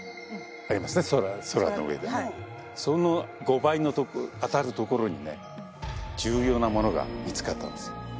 その５倍にあたる所にね重要なものが見つかったんです。